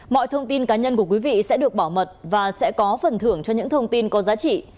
mọi thông tin cá nhân của quý vị sẽ được bảo mật và sẽ có phần thưởng cho những thông tin có giá trị